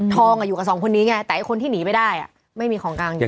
ทองอยู่กับ๒คนนี้ไงแต่คนที่หนีไปได้ไม่มีของกลางที่รัก